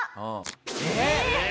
えっ！？